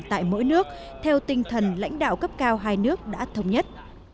tại mỗi nước theo tinh thần lãnh đạo cấp cao hai nước đã thống nhất